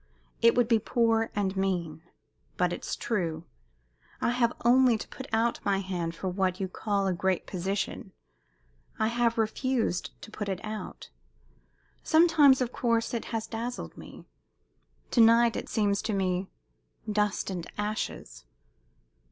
"It would be poor and mean. But it's true. I have only to put out my hand for what you call 'a great position,' I have refused to put it out. Sometimes, of course, it has dazzled me. To night it seems to me dust and ashes.